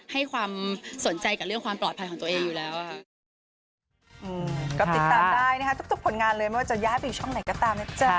ให้ความสนใจกับเรื่องความปลอดภัยของตัวเองอยู่แล้วค่ะ